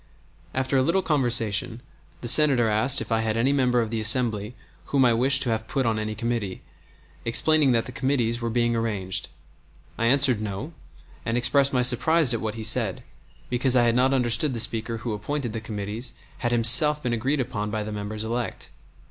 After a little conversation the Senator asked if I had any member of the Assembly whom I wished to have put on any committee, explaining that the committees were being arranged. I answered no, and expressed my surprise at what he had said, because I had not understood the Speaker who appointed the committees had himself been agreed upon by the members elect.